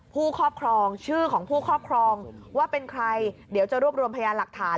ครอบครองชื่อของผู้ครอบครองว่าเป็นใครเดี๋ยวจะรวบรวมพยานหลักฐาน